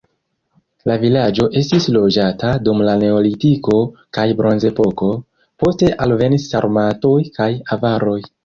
La vilaĝo estis loĝata dum la neolitiko kaj bronzepoko, poste alvenis sarmatoj kaj avaroj.